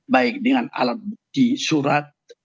baik dengan alat bukti surat